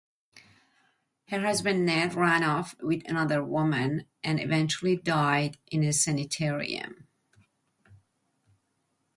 Her husband Ned ran off with another woman and eventually died in a sanitarium.